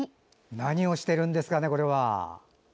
何をしているんですかねこれは。